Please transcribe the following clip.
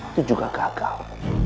itu juga gagal